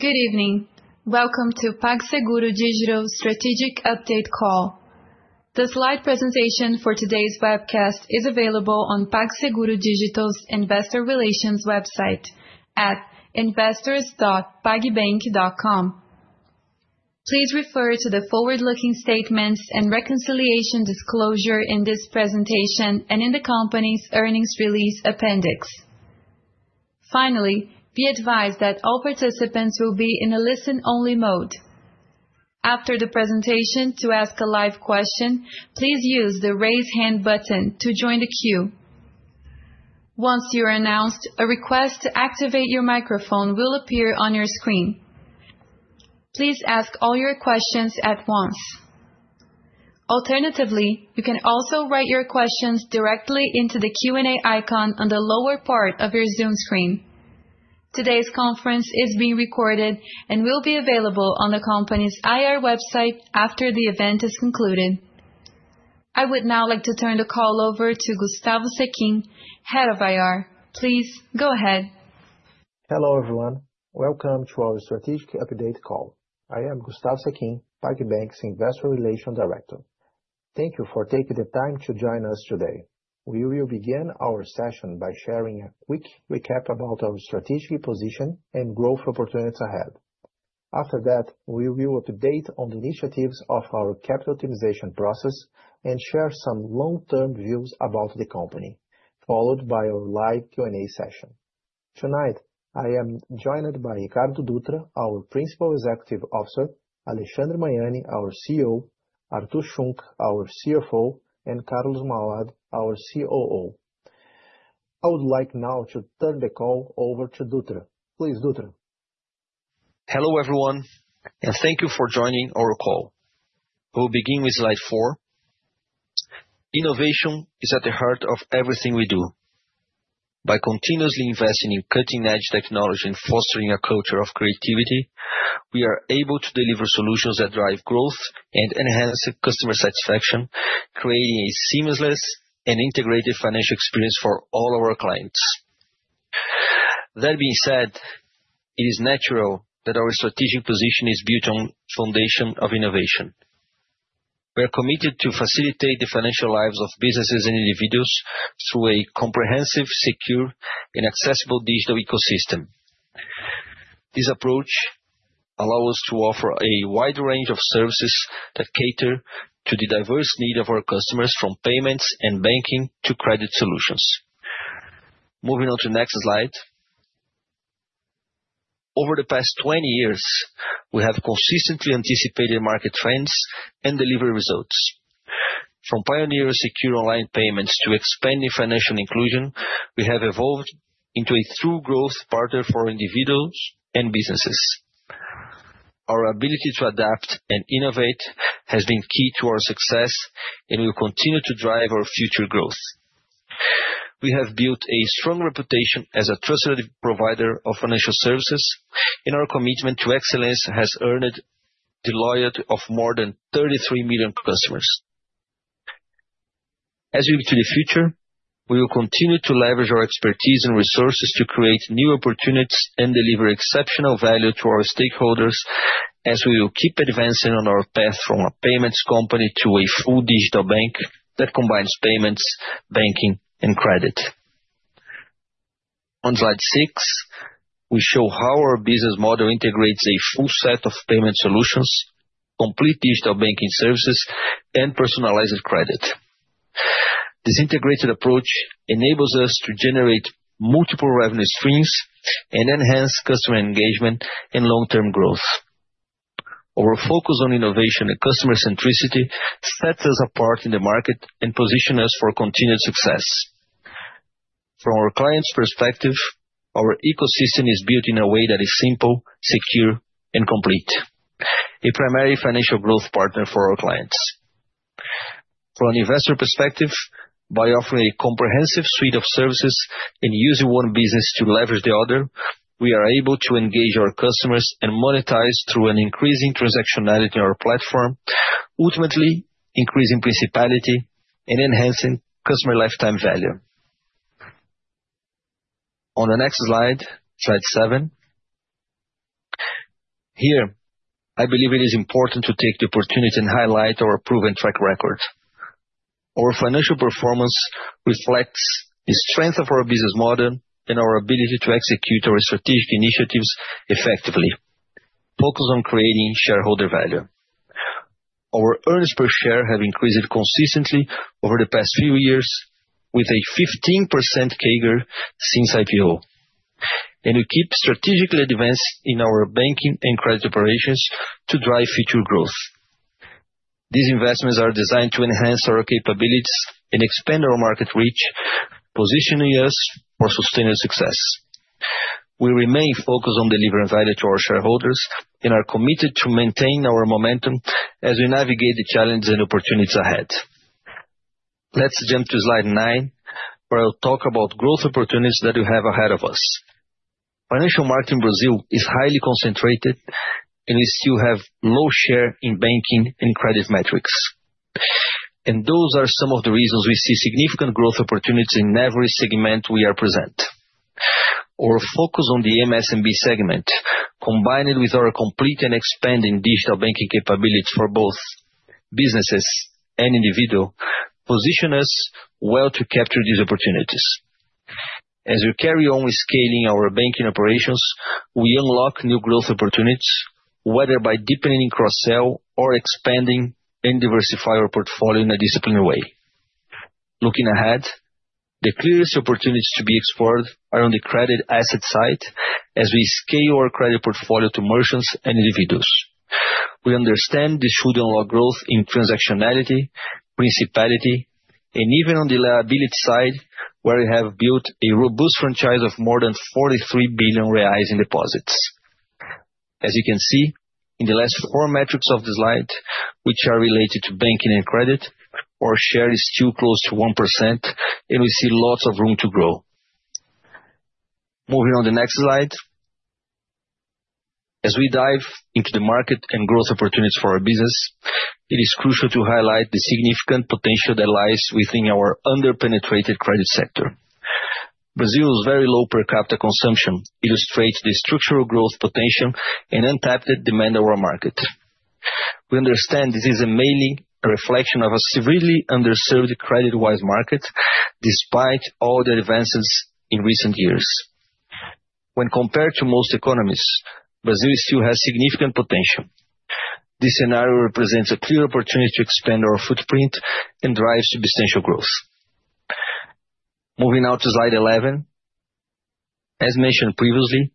Good evening. Welcome to PagSeguro Digital's Strategic Update Call. The slide presentation for today's webcast is available on PagSeguro Digital's Investor Relations website at investors.pagbank.com. Please refer to the forward-looking statements and reconciliation disclosure in this presentation and in the company's earnings release appendix. Finally, be advised that all participants will be in a listen-only mode. After the presentation, to ask a live question, please use the raise hand button to join the queue. Once you are announced, a request to activate your microphone will appear on your screen. Please ask all your questions at once. Alternatively, you can also write your questions directly into the Q&A icon on the lower part of your Zoom screen. Today's conference is being recorded and will be available on the company's IR website after the event is concluded. I would now like to turn the call over to Gustavo Sechin, Head of IR. Please go ahead. Hello everyone. Welcome to our Strategic Update Call. I am Gustavo Sechin, PagBank's Investor Relations Director. Thank you for taking the time to join us today. We will begin our session by sharing a quick recap about our strategic position and growth opportunities ahead. After that, we will update on the initiatives of our capital optimization process and share some long-term views about the company, followed by our live Q&A session. Tonight, I am joined by Ricardo Dutra, our Principal Executive Officer, Alexandre Magnani, our CEO, Artur Schunck, our CFO, and Carlos Mauad, our COO. I would like now to turn the call over to Dutra. Please, Dutra. Hello everyone, and thank you for joining our call. We'll begin with slide four. Innovation is at the heart of everything we do. By continuously investing in cutting-edge technology and fostering a culture of creativity, we are able to deliver solutions that drive growth and enhance customer satisfaction, creating a seamless and integrated financial experience for all our clients. That being said, it is natural that our strategic position is built on the foundation of innovation. We are committed to facilitating the financial lives of businesses and individuals through a comprehensive, secure, and accessible digital ecosystem. This approach allows us to offer a wide range of services that cater to the diverse needs of our customers, from payments and banking to credit solutions. Moving on to the next slide. Over the past 20 years, we have consistently anticipated market trends and delivered results. From pioneering secure online payments to expanding financial inclusion, we have evolved into a true growth partner for individuals and businesses. Our ability to adapt and innovate has been key to our success, and we will continue to drive our future growth. We have built a strong reputation as a trusted provider of financial services, and our commitment to excellence has earned the loyalty of more than 33 million customers. As we look to the future, we will continue to leverage our expertise and resources to create new opportunities and deliver exceptional value to our stakeholders, as we will keep advancing on our path from a payments company to a full digital bank that combines payments, banking, and credit. On slide six, we show how our business model integrates a full set of payment solutions, complete digital banking services, and personalized credit. This integrated approach enables us to generate multiple revenue streams and enhance customer engagement and long-term growth. Our focus on innovation and customer centricity sets us apart in the market and positions us for continued success. From our clients' perspective, our ecosystem is built in a way that is simple, secure, and complete. A primary financial growth partner for our clients. From an investor perspective, by offering a comprehensive suite of services and using one business to leverage the other, we are able to engage our customers and monetize through an increasing transactionality in our platform, ultimately increasing profitability and enhancing customer lifetime value. On the next slide, slide seven, here, I believe it is important to take the opportunity and highlight our proven track record. Our financial performance reflects the strength of our business model and our ability to execute our strategic initiatives effectively, focused on creating shareholder value. Our earnings per share have increased consistently over the past few years, with a 15% CAGR since IPO, and we keep strategically advancing in our banking and credit operations to drive future growth. These investments are designed to enhance our capabilities and expand our market reach, positioning us for sustained success. We remain focused on delivering value to our shareholders and are committed to maintaining our momentum as we navigate the challenges and opportunities ahead. Let's jump to slide nine, where I'll talk about growth opportunities that we have ahead of us. Financial market in Brazil is highly concentrated, and we still have low share in banking and credit metrics, and those are some of the reasons we see significant growth opportunities in every segment we represent. Our focus on the MSMB segment, combined with our complete and expanding digital banking capabilities for both businesses and individuals, positions us well to capture these opportunities. As we carry on with scaling our banking operations, we unlock new growth opportunities, whether by deepening cross-sell or expanding and diversifying our portfolio in a disciplined way. Looking ahead, the clearest opportunities to be explored are on the credit asset side as we scale our credit portfolio to merchants and individuals. We understand this should unlock growth in transactionality, principal, and even on the liability side, where we have built a robust franchise of more than 43 billion reais in deposits. As you can see in the last four metrics of the slide, which are related to banking and credit, our share is still close to 1%, and we see lots of room to grow. Moving on to the next slide. As we dive into the market and growth opportunities for our business, it is crucial to highlight the significant potential that lies within our under-penetrated credit sector. Brazil's very low per capita consumption illustrates the structural growth potential and untapped demand of our market. We understand this is mainly a reflection of a severely underserved credit-wise market, despite all the advances in recent years. When compared to most economies, Brazil still has significant potential. This scenario represents a clear opportunity to expand our footprint and drive substantial growth. Moving now to slide 11. As mentioned previously,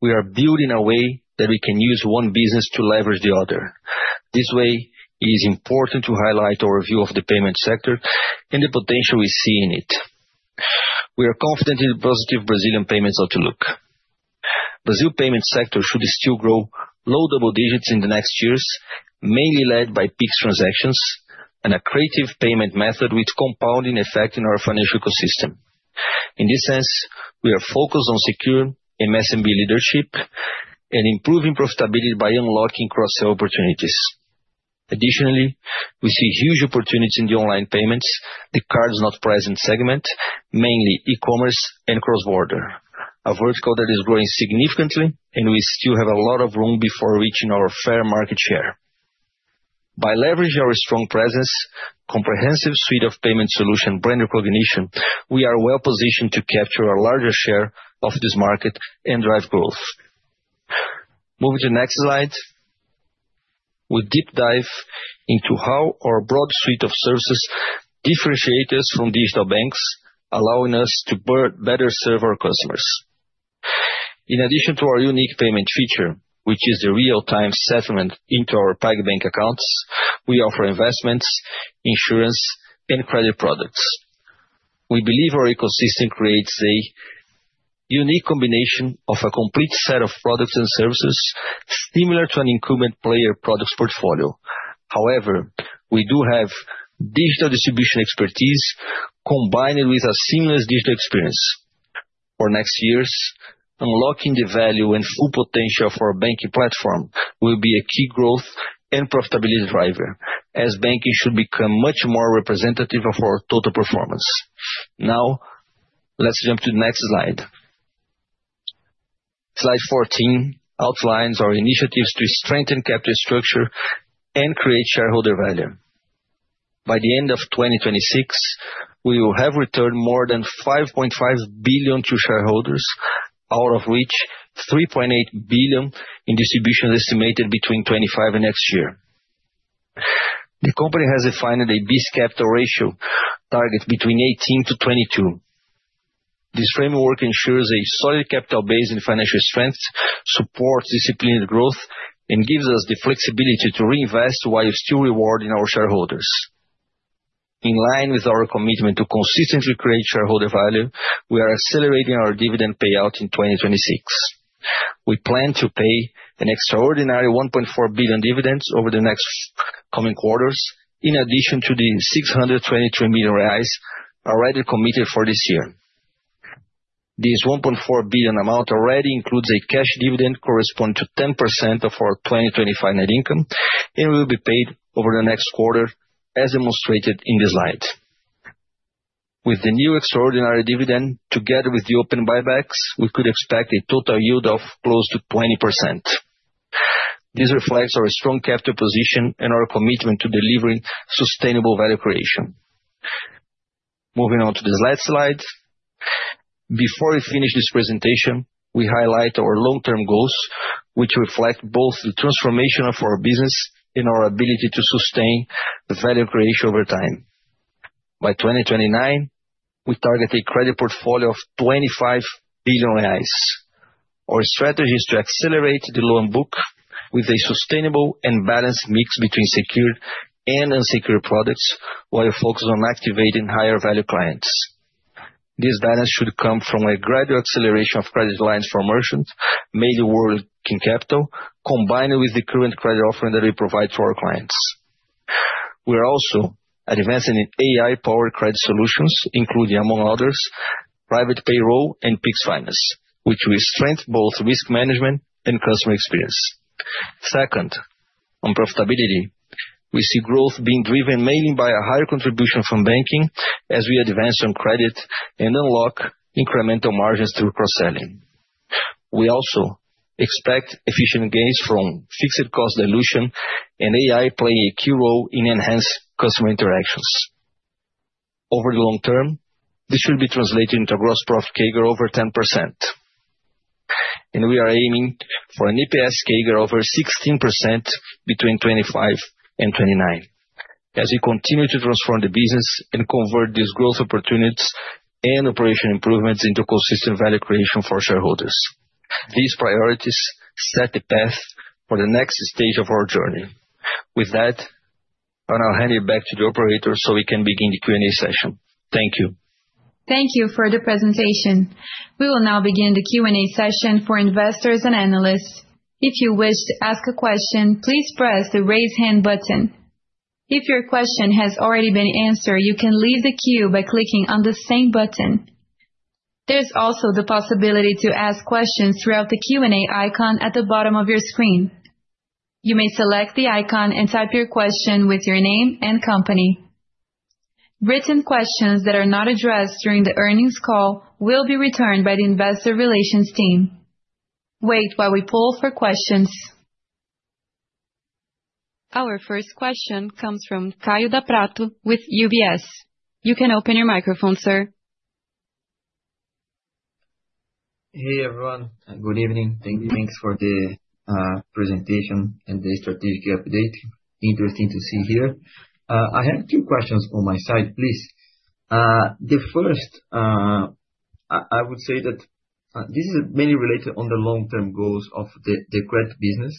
we are building a way that we can use one business to leverage the other. This way is important to highlight our view of the payment sector and the potential we see in it. We are confident in the positive Brazilian payments outlook. Brazil's payment sector should still grow low double digits in the next years, mainly led by Pix transactions and a creative payment method with compounding effect in our financial ecosystem. In this sense, we are focused on secure MSMB leadership and improving profitability by unlocking cross-sell opportunities. Additionally, we see huge opportunities in the online payments, the Card-Not-Present segment, mainly e-commerce and cross-border, a vertical that is growing significantly, and we still have a lot of room before reaching our fair market share. By leveraging our strong presence, comprehensive suite of payment solutions, and brand recognition, we are well-positioned to capture a larger share of this market and drive growth. Moving to the next slide, we'll deep dive into how our broad suite of services differentiates us from digital banks, allowing us to better serve our customers. In addition to our unique payment feature, which is the real-time settlement into our PagBank accounts, we offer investments, insurance, and credit products. We believe our ecosystem creates a unique combination of a complete set of products and services similar to an incumbent player product portfolio. However, we do have digital distribution expertise combined with a seamless digital experience. For next years, unlocking the value and full potential for our banking platform will be a key growth and profitability driver, as banking should become much more representative of our total performance. Now, let's jump to the next slide. Slide 14 outlines our initiatives to strengthen capital structure and create shareholder value. By the end of 2026, we will have returned more than 5.5 billion to shareholders, out of which 3.8 billion in distributions estimated between 2025 and next year. The company has defined a Basel capital ratio target between 18%-22%. This framework ensures a solid capital base and financial strength, supports disciplined growth, and gives us the flexibility to reinvest while still rewarding our shareholders. In line with our commitment to consistently create shareholder value, we are accelerating our dividend payout in 2026. We plan to pay an extraordinary 1.4 billion dividends over the next coming quarters, in addition to the 623 million reais already committed for this year. This 1.4 billion amount already includes a cash dividend corresponding to 10% of our 2025 net income, and will be paid over the next quarter, as demonstrated in this slide. With the new extraordinary dividend, together with the open buybacks, we could expect a total yield of close to 20%. This reflects our strong capital position and our commitment to delivering sustainable value creation. Moving on to the slide. Before we finish this presentation, we highlight our long-term goals, which reflect both the transformation of our business and our ability to sustain value creation over time. By 2029, we target a credit portfolio of 25 billion reais. Our strategy is to accelerate the loan book with a sustainable and balanced mix between secure and unsecured products, while focusing on activating higher-value clients. This balance should come from a gradual acceleration of credit lines for merchants, mainly working capital, combined with the current credit offering that we provide to our clients. We are also advancing in AI-powered credit solutions, including, among others, private payroll and Pix Finance, which will strengthen both risk management and customer experience. Second, on profitability, we see growth being driven mainly by a higher contribution from banking as we advance on credit and unlock incremental margins through cross-selling. We also expect efficient gains from fixed cost dilution and AI playing a key role in enhanced customer interactions. Over the long term, this should be translated into a gross profit CAGR over 10%. And we are aiming for an EPS CAGR over 16% between 2025 and 2029, as we continue to transform the business and convert these growth opportunities and operational improvements into consistent value creation for shareholders. These priorities set the path for the next stage of our journey. With that, I'll now hand it back to the operator so we can begin the Q&A session. Thank you. Thank you for the presentation. We will now begin the Q&A session for investors and analysts. If you wish to ask a question, please press the raise hand button. If your question has already been answered, you can leave the queue by clicking on the same button. There's also the possibility to ask questions throughout the Q&A icon at the bottom of your screen. You may select the icon and type your question with your name and company. Written questions that are not addressed during the earnings call will be returned by the investor relations team. Wait while we pull for questions. Our first question comes from Kaio Prato with UBS. You can open your microphone, sir. Hey, everyone. Good evening. Thank you. Thanks for the presentation and the strategic update. Interesting to see here. I have two questions on my side, please. The first, I would say that this is mainly related to the long-term goals of the credit business.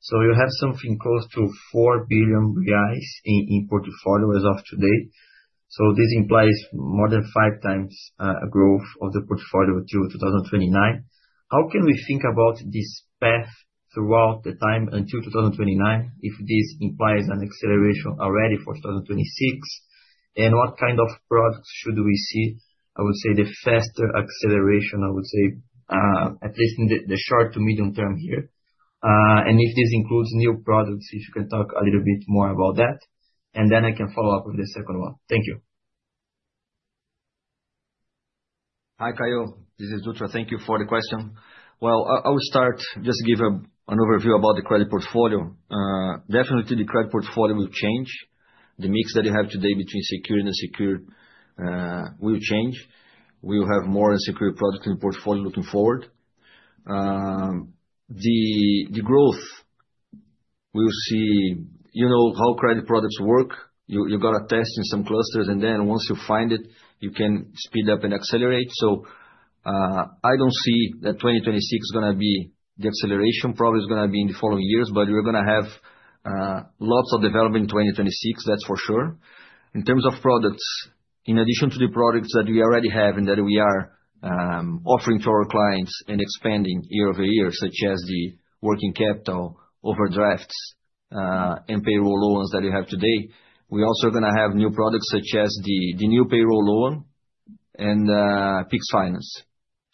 So you have something close to 4 billion reais in portfolio as of today. So this implies more than five times growth of the portfolio to 2029. How can we think about this path throughout the time until 2029 if this implies an acceleration already for 2026? And what kind of products should we see? I would say the faster acceleration, I would say, at least in the short to medium term here. And if this includes new products, if you can talk a little bit more about that. And then I can follow up with the second one. Thank you. Hi, Kaio. This is Dutra. Thank you for the question. Well, I'll start, just give an overview about the credit portfolio. Definitely, the credit portfolio will change. The mix that you have today between secured and unsecured will change. We will have more unsecured products in the portfolio looking forward. The growth, we'll see how credit products work. You've got to test in some clusters, and then once you find it, you can speed up and accelerate. So I don't see that 2026 is going to be the acceleration. Probably it's going to be in the following years, but we're going to have lots of development in 2026, that's for sure. In terms of products, in addition to the products that we already have and that we are offering to our clients and expanding year over year, such as the working capital, overdrafts, and payroll loans that we have today, we also are going to have new products such as the new payroll loan and Pix finance.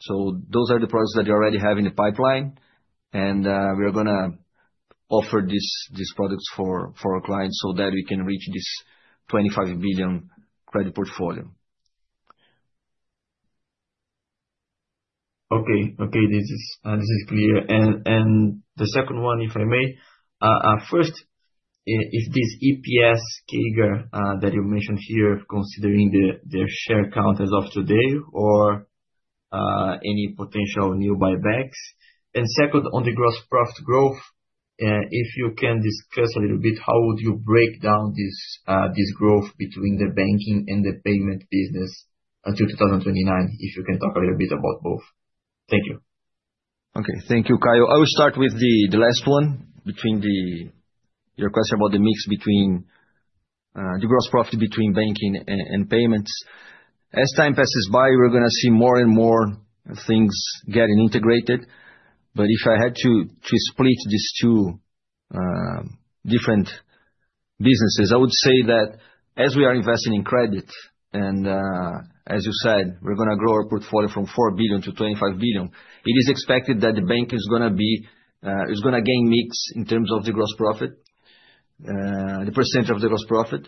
So those are the products that we already have in the pipeline, and we are going to offer these products for our clients so that we can reach this 25 billion credit portfolio. Okay, okay. This is clear. The second one, if I may, first, is this EPS CAGR that you mentioned here, considering the share count as of today or any potential new buybacks? And second, on the gross profit growth, if you can discuss a little bit, how would you break down this growth between the banking and the payment business until 2029, if you can talk a little bit about both? Thank you. Okay, thank you, Kaio. I will start with the last one between your question about the mix between the gross profit between banking and payments. As time passes by, we're going to see more and more things getting integrated. But if I had to split these two different businesses, I would say that as we are investing in credit, and as you said, we're going to grow our portfolio from 4 billion to 25 billion, it is expected that the bank is going to gain mix in terms of the gross profit, the percentage of the gross profit.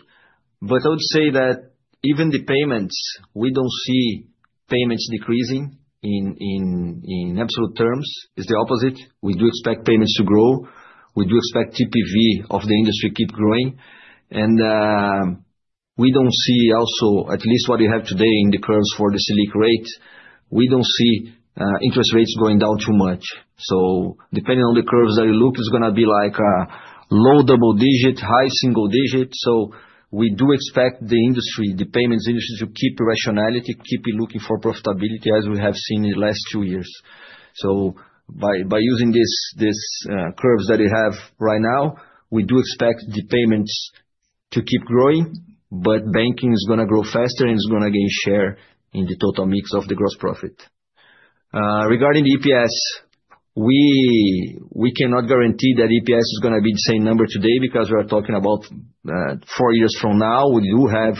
But I would say that even the payments, we don't see payments decreasing in absolute terms. It's the opposite. We do expect payments to grow. We do expect TPV of the industry to keep growing. And we don't see also, at least what you have today in the curves for the Selic rate, we don't see interest rates going down too much. So depending on the curves that you look, it's going to be like a low double digit, high single digit. So, we do expect the industry, the payments industry, to keep irrationality, keep looking for profitability as we have seen in the last two years. So, by using these curves that you have right now, we do expect the payments to keep growing, but banking is going to grow faster and is going to gain share in the total mix of the gross profit. Regarding the EPS, we cannot guarantee that EPS is going to be the same number today because we are talking about four years from now. We do have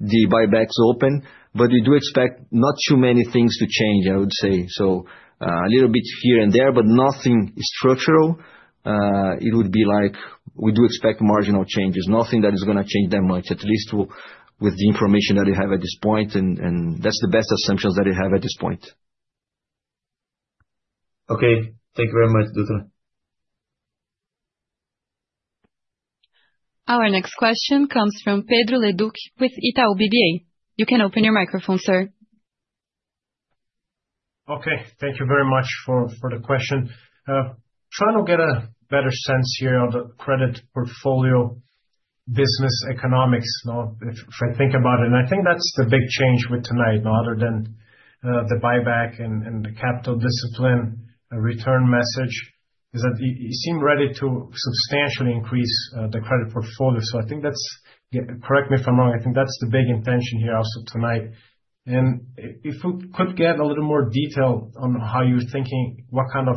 the buybacks open, but we do expect not too many things to change, I would say. So, a little bit here and there, but nothing structural. It would be like we do expect marginal changes, nothing that is going to change that much, at least with the information that you have at this point, and that's the best assumptions that you have at this point. Okay, thank you very much, Dutra. Our next question comes from Pedro Leduc with Itaú BBA. You can open your microphone, sir. Okay, thank you very much for the question. Trying to get a better sense here of the credit portfolio business economics, if I think about it, and I think that's the big change with tonight, other than the buyback and the capital discipline, a return message, is that you seem ready to substantially increase the credit portfolio, so I think that's. Correct me if I'm wrong. I think that's the big intention here also tonight. If we could get a little more detail on how you're thinking, what kind of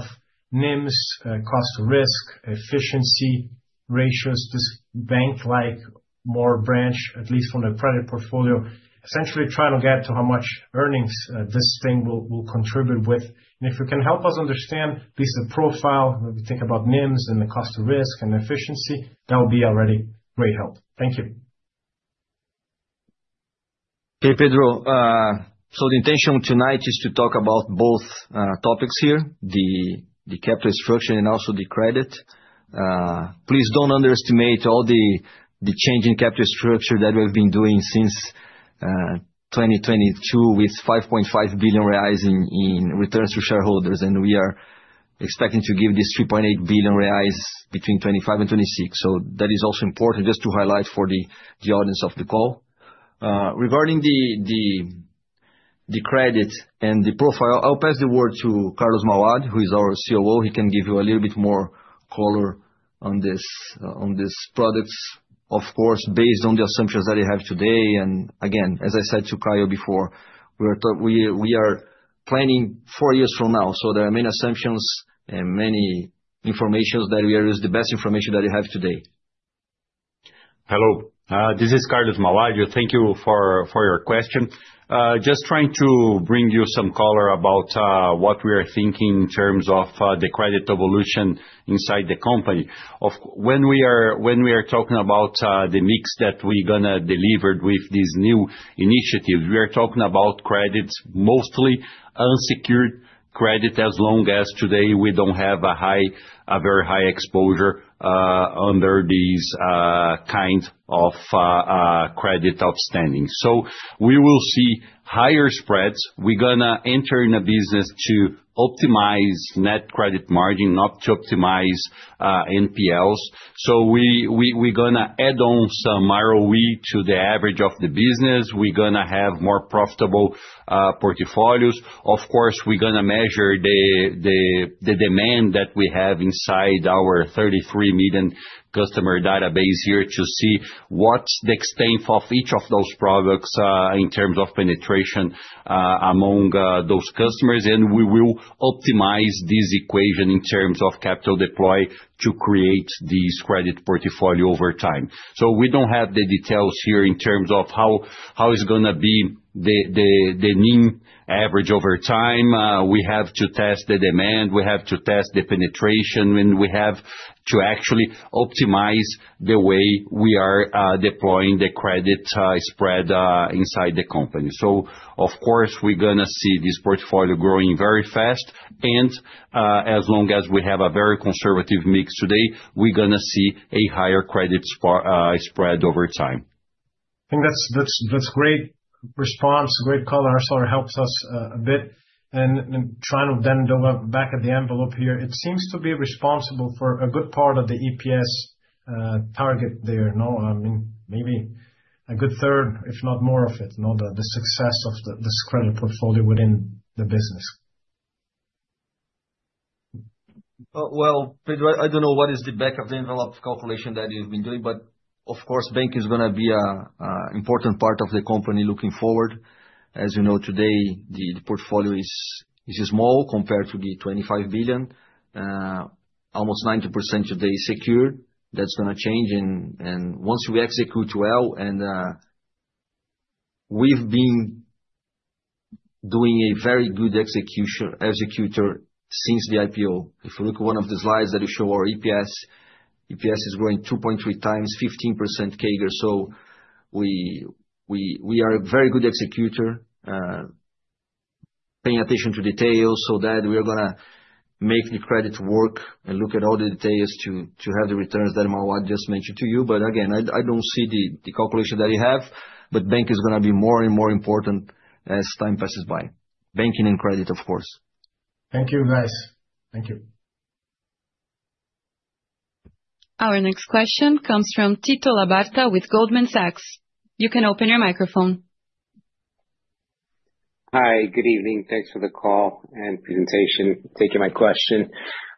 NIMs, cost of risk, efficiency ratios, this bank-like more branch, at least from the credit portfolio, essentially trying to get to how much earnings this thing will contribute with. If you can help us understand, at least the profile, when we think about NIMs and the cost of risk and efficiency, that would be already great help. Thank you. Hey, Pedro. The intention tonight is to talk about both topics here, the capital structure and also the credit. Please don't underestimate all the changing capital structure that we've been doing since 2022 with 5.5 billion reais in returns to shareholders. We are expecting to give this 3.8 billion reais between 2025 and 2026. That is also important just to highlight for the audience of the call. Regarding the credit and the profile, I'll pass the word to Carlos Mauad, who is our COO. He can give you a little bit more color on these products, of course, based on the assumptions that you have today, and again, as I said to Kaio before, we are planning four years from now, so there are many assumptions and many information that we are using the best information that you have today. Hello, this is Carlos Mauad. Thank you for your question. Just trying to bring you some color about what we are thinking in terms of the credit evolution inside the company. When we are talking about the mix that we're going to deliver with these new initiatives, we are talking about credits, mostly unsecured credit, as long as today we don't have a very high exposure under this kind of credit outstanding. We will see higher spreads. We're going to enter in a business to optimize net credit margin, not to optimize NPLs. We're going to add on some ROE to the average of the business. We're going to have more profitable portfolios. Of course, we're going to measure the demand that we have inside our 33 million customer database here to see what's the extent of each of those products in terms of penetration among those customers. We will optimize this equation in terms of capital deploy to create this credit portfolio over time. We don't have the details here in terms of how it's going to be the mean average over time. We have to test the demand. We have to test the penetration. We have to actually optimize the way we are deploying the credit spread inside the company. Of course, we're going to see this portfolio growing very fast. As long as we have a very conservative mix today, we're going to see a higher credit spread over time. I think that's a great response, a great color. It sort of helps us a bit. Trying to then go back at the envelope here, it seems to be responsible for a good part of the EPS target there. I mean, maybe a good third, if not more of it, the success of this credit portfolio within the business. Pedro, I don't know what is the back-of-the-envelope calculation that you've been doing, but of course, bank is going to be an important part of the company looking forward. As you know, today, the portfolio is small compared to the 25 billion. Almost 90% today is secured. That's going to change. And once we execute well, and we've been doing a very good executor since the IPO. If you look at one of the slides that show our EPS, EPS is growing 2.3x, 15% CAGR. So we are a very good executor, paying attention to details so that we are going to make the credit work and look at all the details to have the returns that Mauad just mentioned to you. But again, I don't see the calculation that you have, but bank is going to be more and more important as time passes by. Banking and credit, of course. Thank you, guys. Thank you. Our next question comes from Tito Labarta with Goldman Sachs. You can open your microphone. Hi, good evening. Thanks for the call and presentation. Thank you for my question.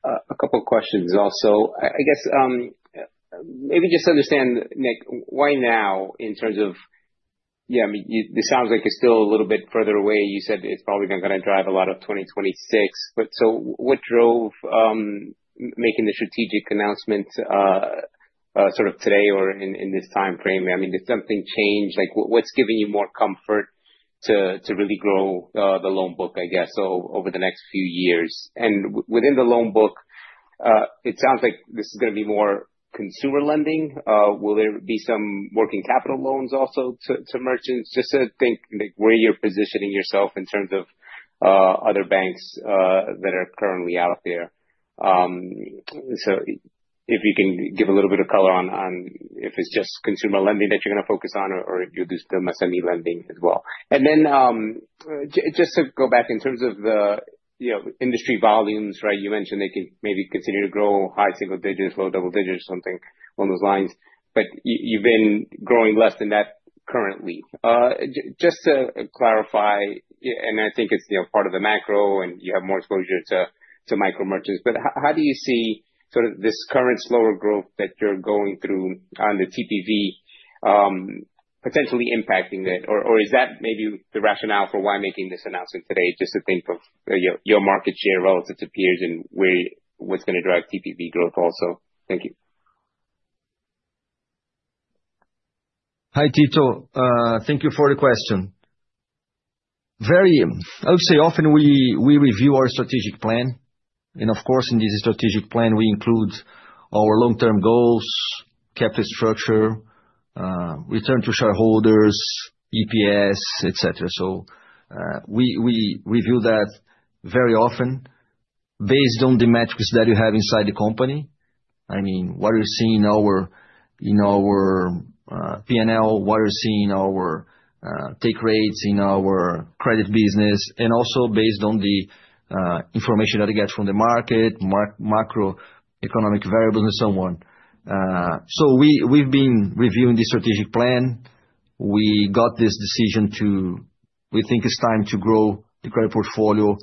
A couple of questions also. I guess maybe just to understand, Rick, why now in terms of, yeah, this sounds like it's still a little bit further away. You said it's probably not going to drive a lot of 2026. But so what drove making the strategic announcement sort of today or in this time frame? I mean, did something change? What's giving you more comfort to really grow the loan book, I guess, over the next few years? And within the loan book, it sounds like this is going to be more consumer lending. Will there be some working capital loans also to merchants? Just to think where you're positioning yourself in terms of other banks that are currently out there. So if you can give a little bit of color on if it's just consumer lending that you're going to focus on or if you'll do still MSME lending as well. And then just to go back in terms of the industry volumes, right? You mentioned they can maybe continue to grow high single digits, low double digits, something along those lines. But you've been growing less than that currently. Just to clarify, and I think it's part of the macro and you have more exposure to micro merchants, but how do you see sort of this current slower growth that you're going through on the TPV potentially impacting it? Or is that maybe the rationale for why making this announcement today, just to think of your market share relative to peers and what's going to drive TPV growth also? Thank you. Hi, Tito. Thank you for the question. Very, I would say often we review our strategic plan. And of course, in this strategic plan, we include our long-term goals, capital structure, return to shareholders, EPS, etc. We review that very often based on the metrics that you have inside the company. I mean, what you're seeing in our P&L, what you're seeing in our take rates in our credit business, and also based on the information that you get from the market, macroeconomic variables and so on. We've been reviewing the strategic plan. We got this decision to, we think it's time to grow the credit portfolio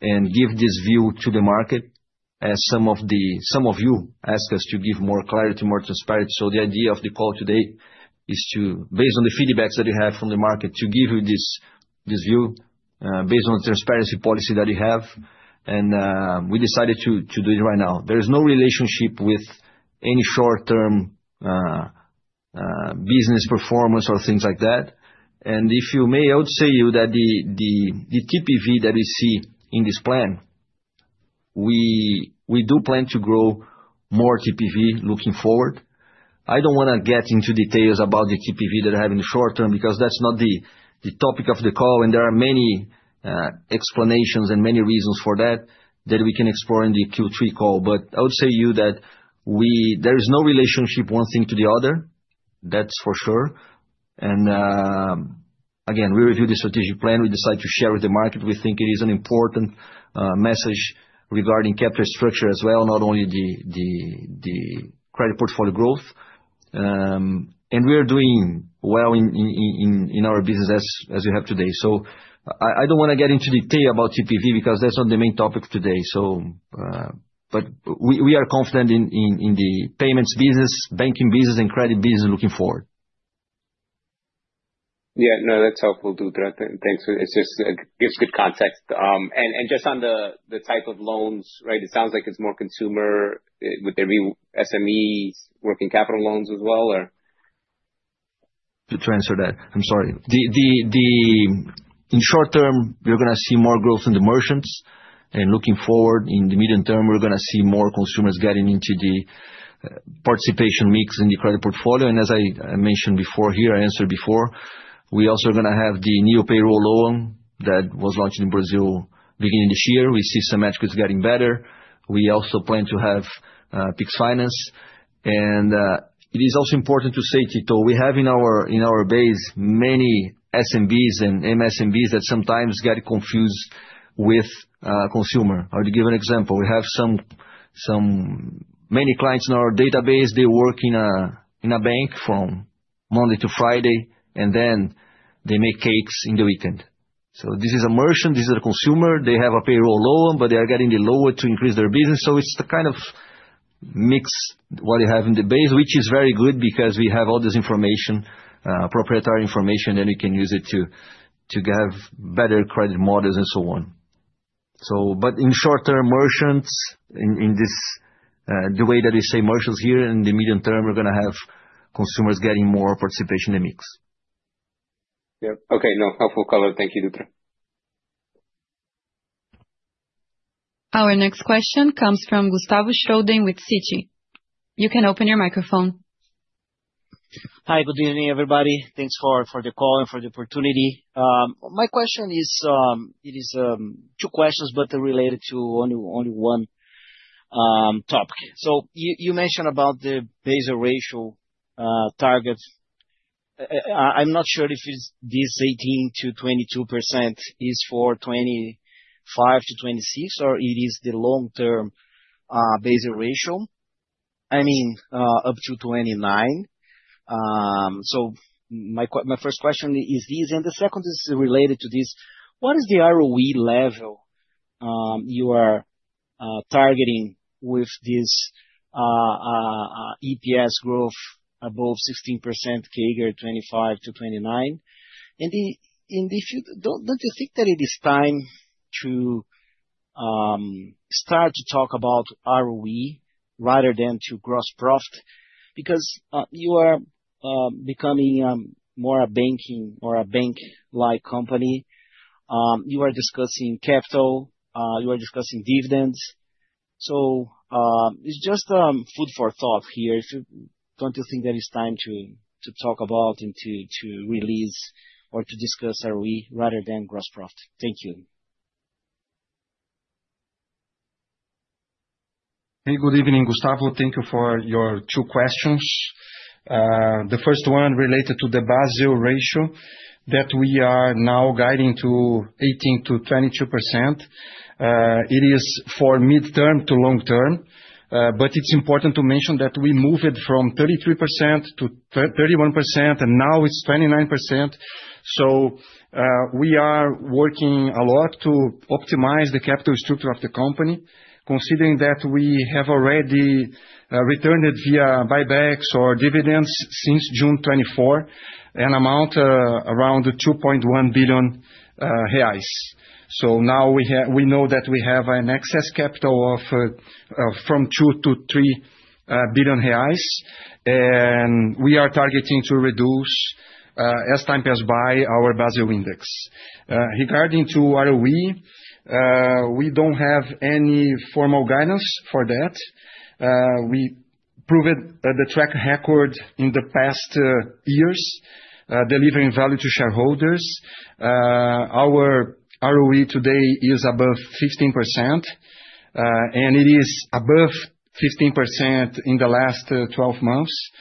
and give this view to the market as some of you asked us to give more clarity, more transparency. The idea of the call today is to, based on the feedback that you have from the market, to give you this view based on the transparency policy that you have. We decided to do it right now. There is no relationship with any short-term business performance or things like that. And if I may, I would say that the TPV that we see in this plan, we do plan to grow more TPV looking forward. I don't want to get into details about the TPV that I have in the short term because that's not the topic of the call. And there are many explanations and many reasons for that that we can explore in the Q3 call. But I would say to you that there is no relationship one thing to the other. That's for sure. And again, we reviewed the strategic plan. We decided to share with the market. We think it is an important message regarding capital structure as well, not only the credit portfolio growth. And we are doing well in our business as we have today. So I don't want to get into detail about TPV because that's not the main topic today. But we are confident in the payments business, banking business, and credit business looking forward. Yeah, no, that's helpful, Dutra. Thanks. It just gives good context. And just on the type of loans, right? It sounds like it's more consumer with the SMEs, working capital loans as well, or? To answer that, I'm sorry. In short term, you're going to see more growth in the merchants. And looking forward, in the medium term, we're going to see more consumers getting into the participation mix in the credit portfolio. And as I mentioned before here, I answered before, we also are going to have the new payroll loan that was launched in Brazil beginning this year. We see some metrics getting better. We also plan to have Pix Finance. And it is also important to say, Tito, we have in our base many SMBs and MSMBs that sometimes get confused with consumer. I'll give you an example. We have many clients in our database. They work in a bank from Monday to Friday, and then they make cakes in the weekend. So this is a merchant. This is a consumer. They have a payroll loan, but they are getting the loan to increase their business. So it's the kind of mix what you have in the base, which is very good because we have all this information, proprietary information, and then we can use it to have better credit models and so on. But in short term, merchants, in the way that we say merchants here, in the medium term, we're going to have consumers getting more participation in the mix. Yeah. Okay. No, helpful color. Thank you, Dutra. Our next question comes from Gustavo Schroden with Citi. You can open your microphone. Hi, good evening, everybody. Thanks for the call and for the opportunity. My question is, it is two questions, but they're related to only one topic. So you mentioned about the Basel ratio target. I'm not sure if this 18%-22% is for 2025-2026 or it is the long-term Basel ratio. I mean, up to 2029. So my first question is this, and the second is related to this. What is the ROE level you are targeting with this EPS growth above 16% CAGR 2025-2029? And don't you think that it is time to start to talk about ROE rather than to gross profit? Because you are becoming more a banking or a bank-like company. You are discussing capital. You are discussing dividends. So it's just food for thought here. Don't you think that it's time to talk about and to release or to discuss ROE rather than gross profit? Thank you. Hey, good evening, Gustavo. Thank you for your two questions. The first one related to the Basel ratio that we are now guiding to 18%-22%. It is for midterm to long term. But it's important to mention that we moved it from 33% to 31%, and now it's 29%. So we are working a lot to optimize the capital structure of the company, considering that we have already returned it via buybacks or dividends since June 24, an amount around 2.1 billion reais. So now we know that we have an excess capital from 2-3 billion reais. And we are targeting to reduce as time passes by our Basel index. Regarding to ROE, we don't have any formal guidance for that. We proved the track record in the past years delivering value to shareholders. Our ROE today is above 15%. And it is above 15% in the last 12 months.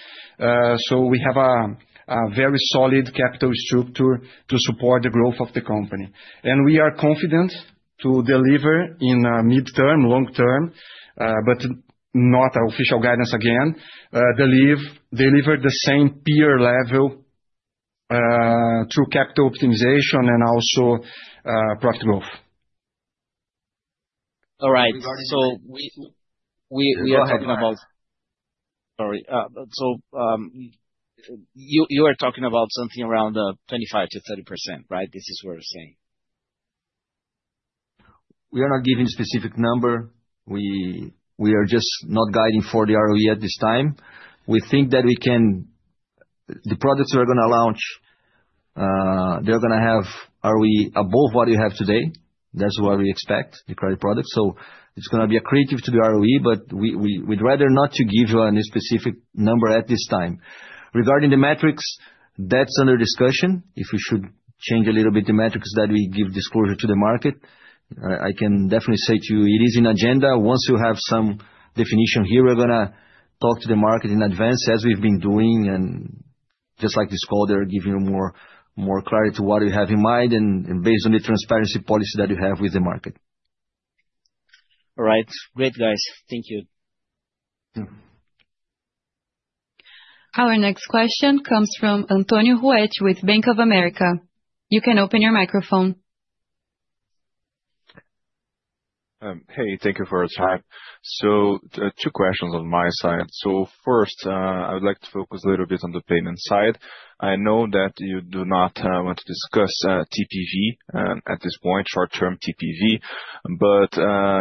So we have a very solid capital structure to support the growth of the company. And we are confident to deliver in midterm, long term, but not official guidance again, deliver the same peer level through capital optimization and also profit growth. All right. So we are talking about. Sorry. So you are talking about something around 25%-30%, right? This is what we're saying. We are not giving a specific number. We are just not guiding for the ROE at this time. We think that the products we're going to launch, they're going to have ROE above what you have today. That's what we expect, the credit product. So it's going to be accretive to the ROE, but we'd rather not give you a specific number at this time. Regarding the metrics, that's under discussion. If we should change a little bit the metrics that we give disclosure to the market, I can definitely say to you it is in agenda. Once you have some definition here, we're going to talk to the market in advance as we've been doing. And just like this call, they're giving you more clarity to what you have in mind and based on the transparency policy that you have with the market. All right. Great, guys. Thank you. Our next question comes from Antonio Ruette with Bank of America. You can open your microphone. Hey, thank you for your time. So two questions on my side. So first, I would like to focus a little bit on the payment side. I know that you do not want to discuss TPV at this point, short-term TPV, but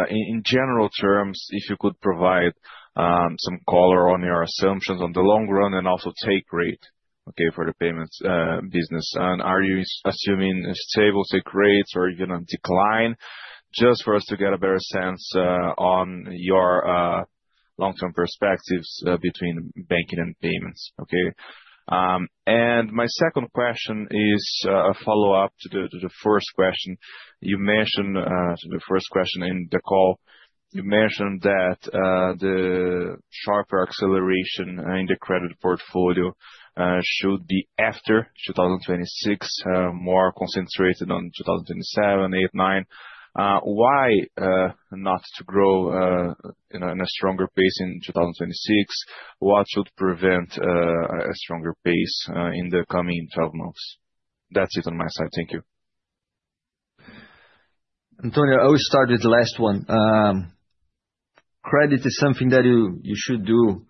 in general terms, if you could provide some color on your assumptions on the long run and also take rate, okay, for the payments business, and are you assuming stable take rates or even a decline? Just for us to get a better sense on your long-term perspectives between banking and payments, okay, and my second question is a follow-up to the first question. You mentioned to the first question in the call, you mentioned that the sharper acceleration in the credit portfolio should be after 2026, more concentrated on 2027, 2028, 2029. Why not to grow in a stronger pace in 2026? What should prevent a stronger pace in the coming 12 months? That's it on my side. Thank you. Antonio, I will start with the last one. Credit is something that you should do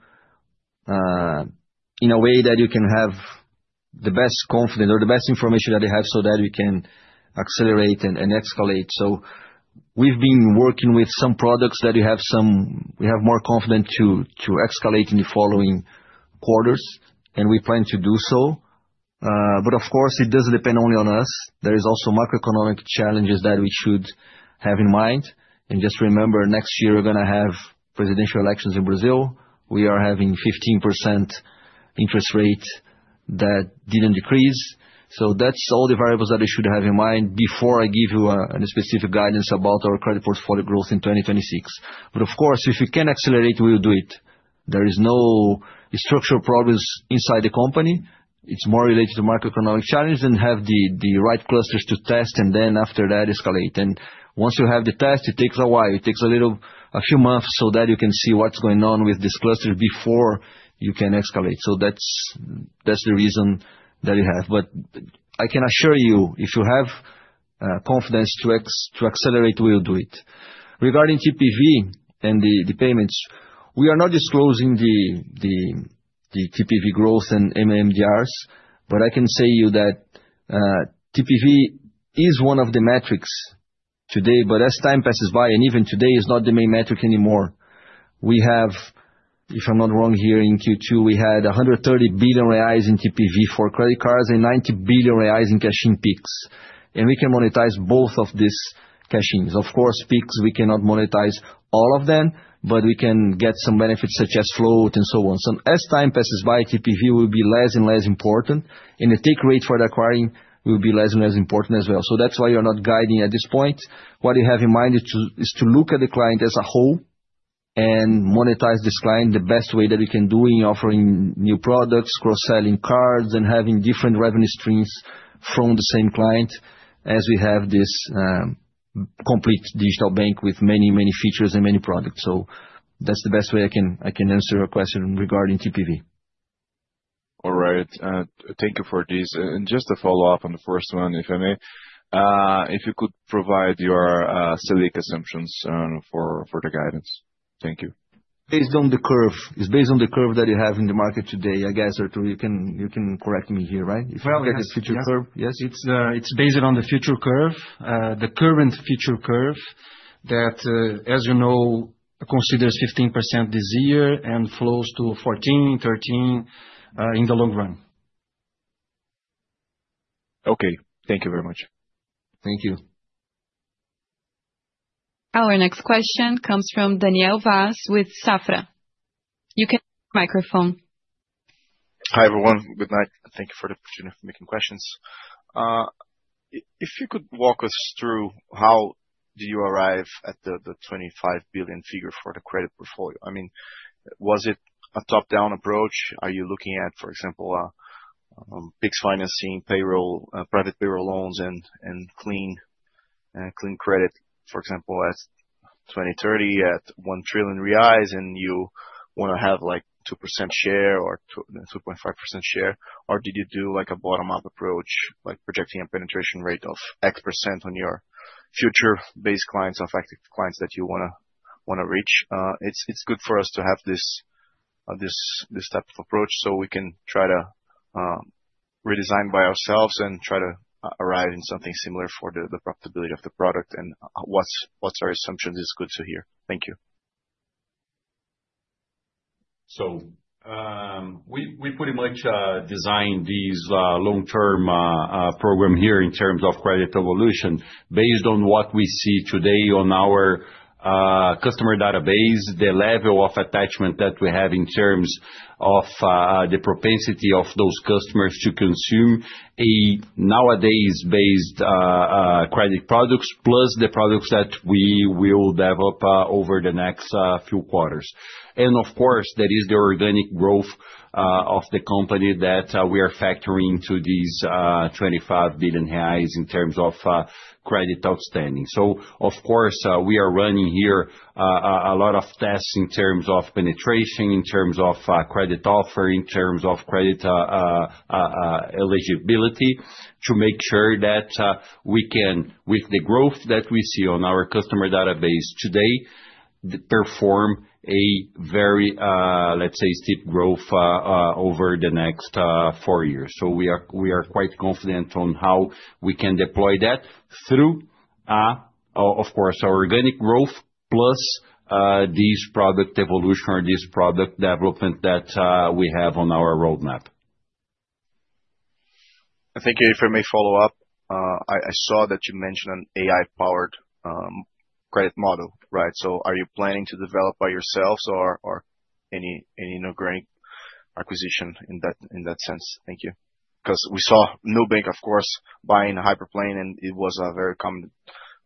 in a way that you can have the best confidence or the best information that you have so that we can accelerate and escalate, so we've been working with some products that we have more confidence to escalate in the following quarters, and we plan to do so, but of course, it doesn't depend only on us. There are also macroeconomic challenges that we should have in mind, and just remember, next year, we're going to have presidential elections in Brazil. We are having 15% interest rate that didn't decrease, so that's all the variables that we should have in mind before I give you any specific guidance about our credit portfolio growth in 2026, but of course, if we can accelerate, we will do it. There are no structural problems inside the company. It's more related to macroeconomic challenges and have the right clusters to test and then after that escalate, and once you have the test, it takes a while. It takes a few months so that you can see what's going on with this cluster before you can escalate, so that's the reason that we have. But I can assure you, if you have confidence to accelerate, we will do it. Regarding TPV and the payments, we are not disclosing the TPV growth and MMDRs, but I can say to you that TPV is one of the metrics today, but as time passes by, and even today, it's not the main metric anymore. We have, if I'm not wrong, here in Q2, we had 130 billion reais in TPV for credit cards and 90 billion reais in Cash-in Pix. And we can monetize both of these Pix. Of course, Pix, we cannot monetize all of them, but we can get some benefits such as float and so on. So as time passes by, TPV will be less and less important. And the take rate for the acquiring will be less and less important as well. So that's why you're not guiding at this point. What you have in mind is to look at the client as a whole and monetize this client the best way that we can do in offering new products, cross-selling cards, and having different revenue streams from the same client as we have this complete digital bank with many, many features and many products. So that's the best way I can answer your question regarding TPV. All right. Thank you for this. And just to follow up on the first one, if I may, if you could provide your Selic assumptions for the guidance. Thank you. Based on the curve. It's based on the curve that you have in the market today, I guess, Artur you can correct me here, right? If you look at the future curve. Yes. It's based on the future curve. The current future curve that, as you know, considers 15% this year and flows to 14%, 13% in the long run. Okay. Thank you very much. Thank you. Our next question comes from Daniel Vaz with Safra. You can open your microphone. Hi, everyone. Good night. Thank you for the opportunity for making questions. If you could walk us through how do you arrive at the 25 billion figure for the credit portfolio? I mean, was it a top-down approach? Are you looking at, for example, Pix financing, private payroll loans, and clean credit, for example, at 2030 at 1 trillion reais, and you want to have like 2% share or 2.5% share? Or did you do like a bottom-up approach, like projecting a penetration rate of X% on your future-based clients, affected clients that you want to reach? It's good for us to have this type of approach so we can try to redesign by ourselves and try to arrive in something similar for the profitability of the product and what's our assumption is good to hear. Thank you. We pretty much designed this long-term program here in terms of credit evolution based on what we see today on our customer database, the level of attachment that we have in terms of the propensity of those customers to consume a nowadays-based credit products, plus the products that we will develop over the next few quarters. Of course, that is the organic growth of the company that we are factoring into these 25 billion reais in terms of credit outstanding. Of course, we are running here a lot of tests in terms of penetration, in terms of credit offer, in terms of credit eligibility to make sure that we can, with the growth that we see on our customer database today, perform a very, let's say, steep growth over the next four years. So we are quite confident on how we can deploy that through, of course, our organic growth, plus this product evolution or this product development that we have on our roadmap. Thank you for my follow-up. I saw that you mentioned an AI-powered credit model, right? So are you planning to develop by yourselves or any new Granite acquisition in that sense? Thank you. Because we saw Nubank, of course, buying a Hyperplane, and it was a very common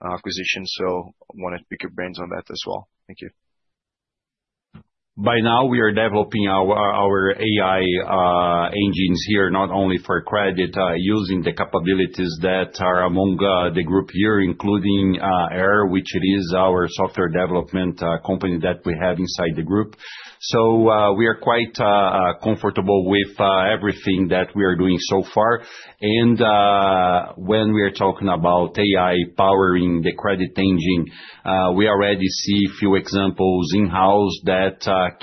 acquisition. So I wanted to pick your brains on that as well. Thank you. By now, we are developing our AI engines here, not only for credit, using the capabilities that are among the group here, including AI/R, which is our software development company that we have inside the group. So we are quite comfortable with everything that we are doing so far. When we are talking about AI powering the credit engine, we already see a few examples in-house that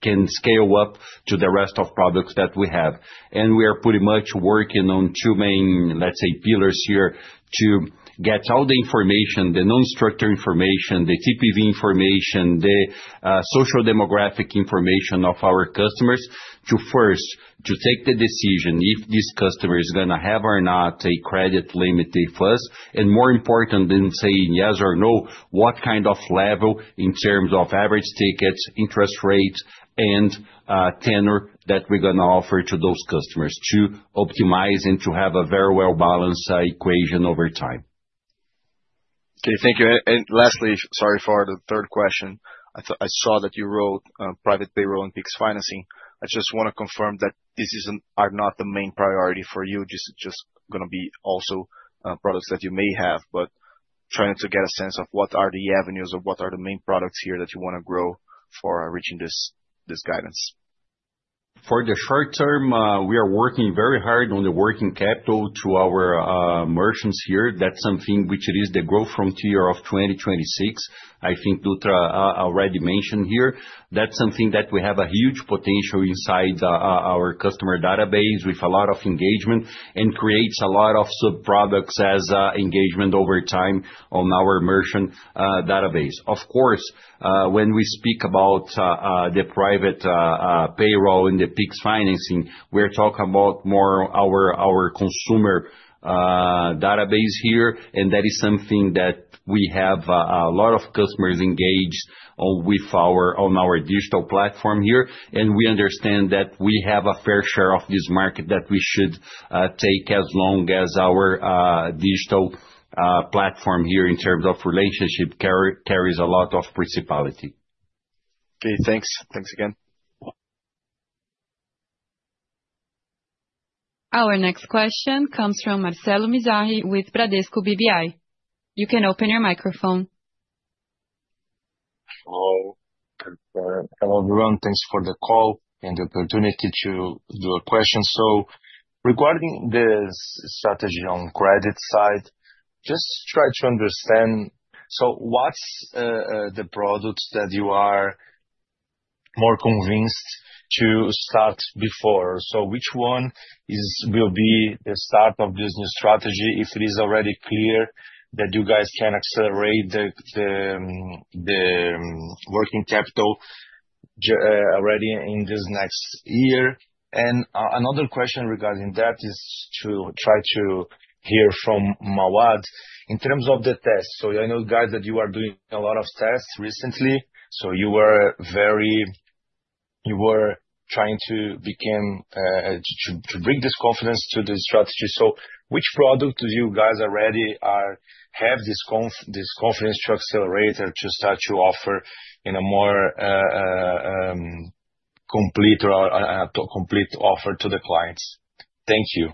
can scale up to the rest of products that we have. We are pretty much working on two main, let's say, pillars here to get all the information, the non-structured information, the TPV information, the social demographic information of our customers to first take the decision if this customer is going to have or not a credit limit of us. More important than saying yes or no, what kind of level in terms of average tickets, interest rates, and tenor that we're going to offer to those customers to optimize and to have a very well-balanced equation over time. Okay. Thank you. Lastly, sorry for the third question. I saw that you wrote private payroll and Pix financing. I just want to confirm that these are not the main priority for you. This is just going to be also products that you may have, but trying to get a sense of what are the avenues or what are the main products here that you want to grow for reaching this guidance. For the short term, we are working very hard on the working capital to our merchants here. That's something which is the growth frontier of 2026. I think Dutra already mentioned here. That's something that we have a huge potential inside our customer database with a lot of engagement and creates a lot of subproducts as engagement over time on our merchant database. Of course, when we speak about the private payroll and the Pix financing, we're talking about more our consumer database here. That is something that we have a lot of customers engaged on our digital platform here. We understand that we have a fair share of this market that we should take as long as our digital platform here in terms of relationship carries a lot of precedence. Okay. Thanks. Thanks again. Our next question comes from Marcelo Mizrahi with Bradesco BBI. You can open your microphone. Hello. Hello, everyone. Thanks for the call and the opportunity to ask a question. Regarding the strategy on credit side, just try to understand. What's the product that you are more convinced to start with? Which one will be the start of this new strategy if it is already clear that you guys can accelerate the working capital already in this next year? And another question regarding that is to try to hear from Mauad in terms of the tests. So I know, guys, that you are doing a lot of tests recently. So you were trying to bring this confidence to the strategy. So which product do you guys already have this confidence to accelerate or to start to offer in a more complete offer to the clients? Thank you.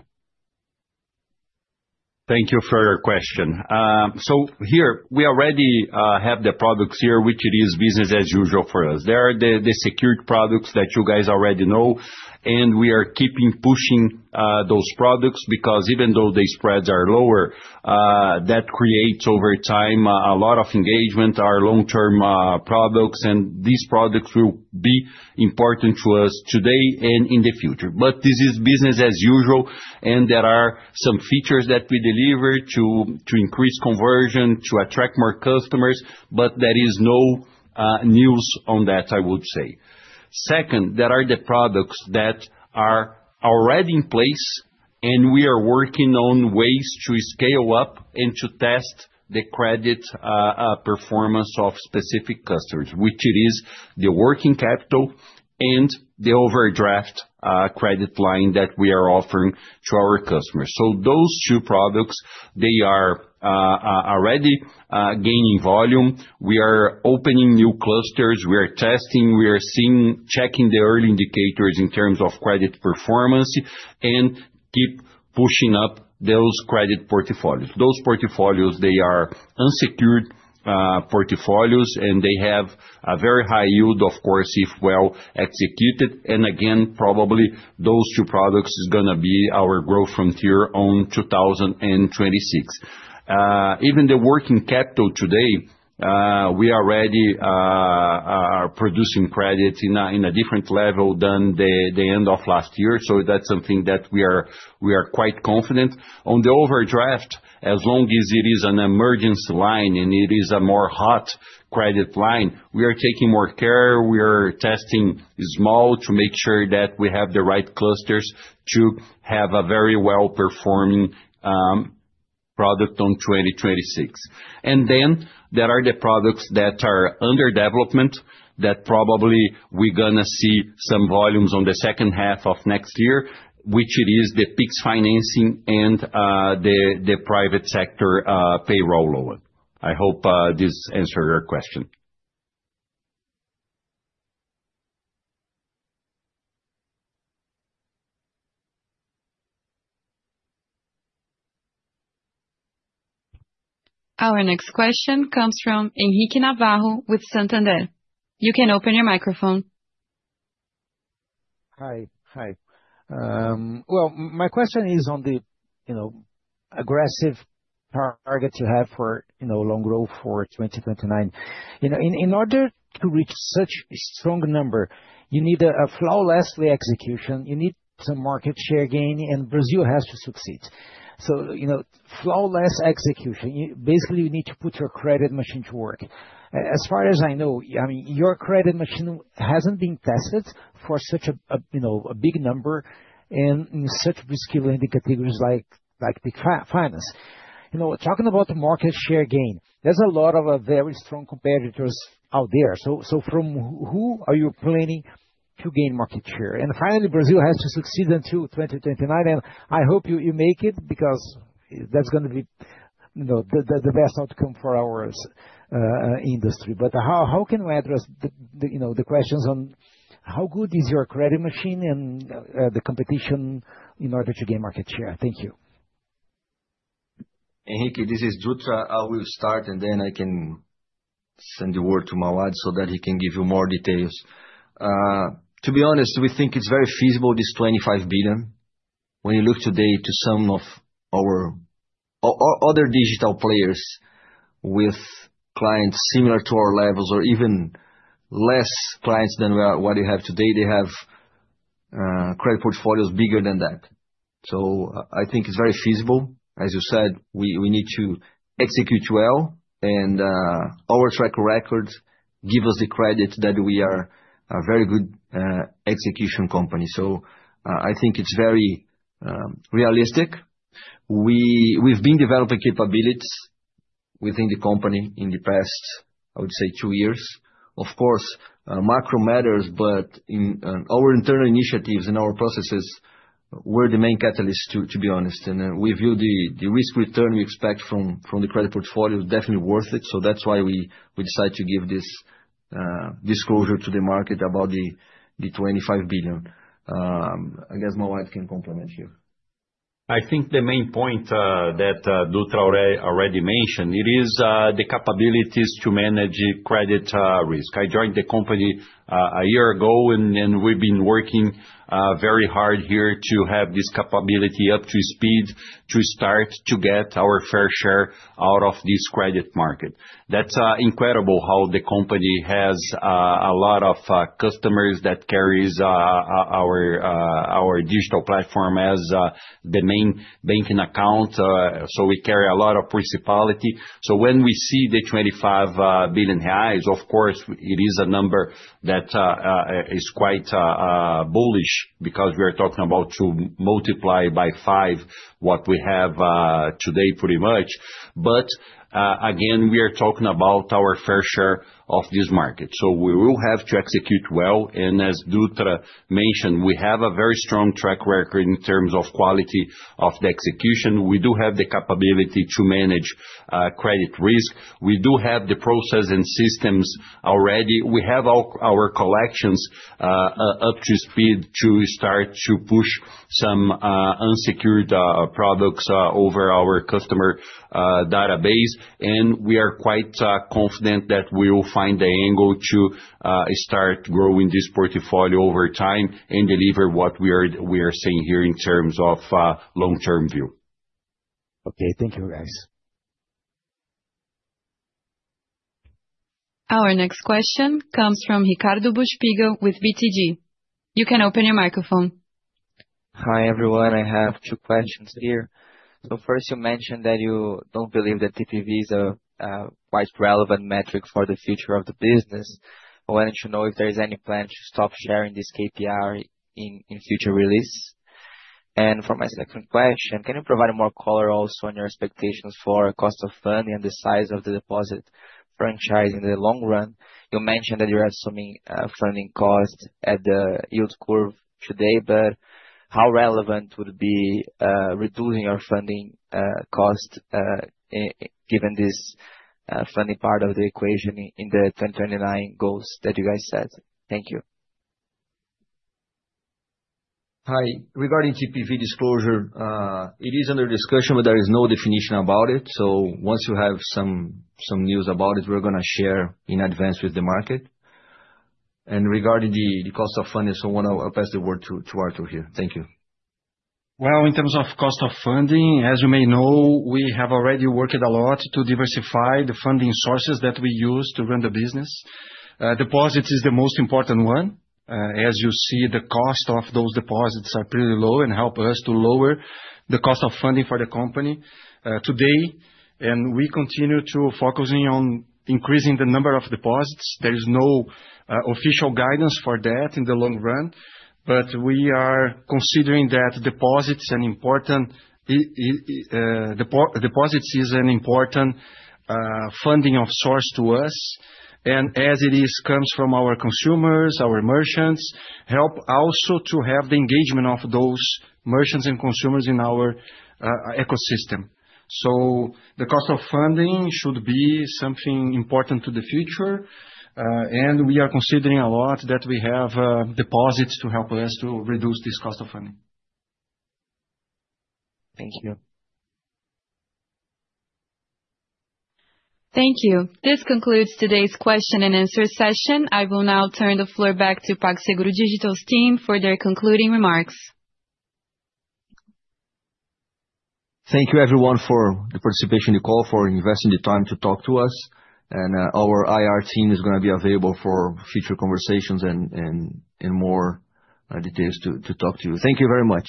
Thank you for your question. So here, we already have the products here, which it is business as usual for us. There are the secured products that you guys already know. And we are keeping pushing those products because even though the spreads are lower, that creates over time a lot of engagement, our long-term products. And these products will be important to us today and in the future. But this is business as usual. There are some features that we deliver to increase conversion, to attract more customers, but there is no news on that, I would say. Second, there are the products that are already in place, and we are working on ways to scale up and to test the credit performance of specific customers, which it is the working capital and the overdraft credit line that we are offering to our customers. Those two products, they are already gaining volume. We are opening new clusters. We are testing. We are checking the early indicators in terms of credit performance and keep pushing up those credit portfolios. Those portfolios, they are unsecured portfolios, and they have a very high yield, of course, if well executed. Again, probably those two products are going to be our growth frontier on 2026. Even the working capital today, we already are producing credit in a different level than the end of last year. So that's something that we are quite confident. On the overdraft, as long as it is an emergency line and it is a more hot credit line, we are taking more care. We are testing small to make sure that we have the right clusters to have a very well-performing product on 2026, and then there are the products that are under development that probably we're going to see some volumes on the second half of next year, which it is the Pix financing and the private sector payroll loan. I hope this answered your question. Our next question comes from Henrique Navarro with Santander. You can open your microphone. Hi. Hi, well, my question is on the aggressive target you have for loan growth for 2029. In order to reach such a strong number, you need a flawless execution. You need some market share gain, and Brazil has to succeed. So flawless execution, basically, you need to put your credit machine to work. As far as I know, I mean, your credit machine hasn't been tested for such a big number and in such risky-linked categories like Pix Finance. Talking about market share gain, there's a lot of very strong competitors out there. So from who are you planning to gain market share? And finally, Brazil has to succeed until 2029. And I hope you make it because that's going to be the best outcome for our industry. But how can we address the questions on how good is your credit machine and the competition in order to gain market share? Thank you. Henrique, this is Dutra. I will start, and then I can send the word to Mauad so that he can give you more details. To be honest, we think it's very feasible, this 25 billion. When you look today to some of our other digital players with clients similar to our levels or even less clients than what you have today, they have credit portfolios bigger than that, so I think it's very realistic. We've been developing capabilities within the company in the past, I would say, two years. Of course, macro matters, but our internal initiatives and our processes were the main catalyst, to be honest, and we view the risk-return we expect from the credit portfolio definitely worth it. That's why we decide to give this disclosure to the market about the 25 billion. I guess Mauad can complement here. I think the main point that Dutra already mentioned, it is the capabilities to manage credit risk. I joined the company a year ago, and we've been working very hard here to have this capability up to speed to start to get our fair share out of this credit market. That's incredible how the company has a lot of customers that carries our digital platform as the main banking account. So we carry a lot of responsibility. So when we see the 25 billion reais, of course, it is a number that is quite bullish because we are talking about to multiply by five what we have today, pretty much. But again, we are talking about our fair share of this market. So we will have to execute well. And as Dutra mentioned, we have a very strong track record in terms of quality of the execution. We do have the capability to manage credit risk. We do have the process and systems already. We have our collections up to speed to start to push some unsecured products over our customer database. And we are quite confident that we will find the angle to start growing this portfolio over time and deliver what we are seeing here in terms of long-term view. Okay. Thank you, guys. Our next question comes from Ricardo Buchpiguel with BTG. You can open your microphone. Hi, everyone. I have two questions here. So first, you mentioned that you don't believe that TPV is a quite relevant metric for the future of the business. I wanted to know if there is any plan to stop sharing this KPI in future releases. And for my second question, can you provide more color also on your expectations for cost of funding and the size of the deposit franchise in the long run? You mentioned that you're assuming funding cost at the yield curve today, but how relevant would be reducing your funding cost given this funding part of the equation in the 2029 goals that you guys set? Thank you. Hi. Regarding TPV disclosure, it is under discussion, but there is no definition about it. So once you have some news about it, we're going to share in advance with the market. And regarding the cost of funding, I want to pass the word to Artur here. Thank you. In terms of cost of funding, as you may know, we have already worked a lot to diversify the funding sources that we use to run the business. Deposits is the most important one. As you see, the cost of those deposits are pretty low and help us to lower the cost of funding for the company today. And we continue to focus on increasing the number of deposits. There is no official guidance for that in the long run, but we are considering that deposits is an important funding source to us. And as it comes from our consumers, our merchants, help also to have the engagement of those merchants and consumers in our ecosystem. So the cost of funding should be something important to the future. And we are considering a lot that we have deposits to help us to reduce this cost of funding. Thank you. Thank you. This concludes today's question and answer session. I will now turn the floor back to PagSeguro Digital's team for their concluding remarks. Thank you, everyone, for the participation in the call, for investing the time to talk to us, and our IR team is going to be available for future conversations and more details to talk to you. Thank you very much.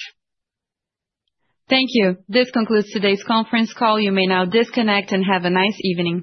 Thank you. This concludes today's conference call. You may now disconnect and have a nice evening.